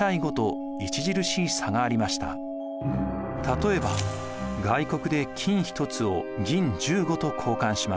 例えば外国で金１つを銀１５と交換します。